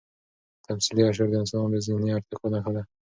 تمثیلي اشعار د انسانانو د ذهني ارتقا نښه ده.